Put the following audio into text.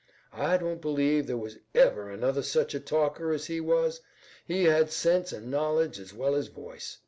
I don't believe there was ever another such a talker as he was. He had sense an' knowledge as well as voice.